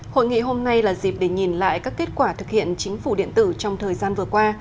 hội nghị hôm nay là dịp để nhìn lại các kết quả thực hiện chính phủ điện tử trong thời gian vừa qua